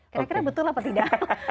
kira kira betul apa tidak